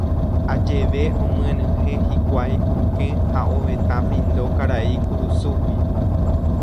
Ajeve omyenyhẽ hikuái okẽ ha ovetã pindo karai kurusúgui.